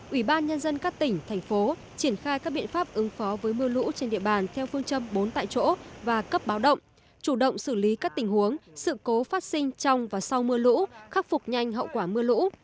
ủy ban nhân dân các tỉnh thành phố triển khai các biện pháp ứng phó với mưa lũ trên địa bàn theo phương châm bốn tại chỗ và cấp báo động chủ động xử lý các tình huống sự cố phát sinh trong và sau mưa lũ khắc phục nhanh hậu quả mưa lũ